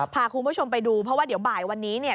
พาคุณผู้ชมไปดูเพราะว่าเดี๋ยวบ่ายวันนี้เนี่ย